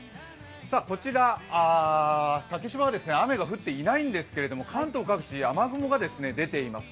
こちら竹芝は雨が降っていないんですけれども、関東各地、雨雲が出ています。